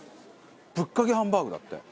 ぶっかけハンバーグだって。